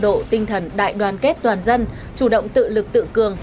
phát huy cao độ tinh thần đại đoàn kết toàn dân chủ động tự lực tự cường